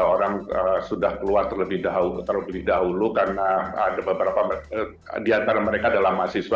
tiga orang sudah keluar terlebih dahulu karena di antara mereka adalah mahasiswa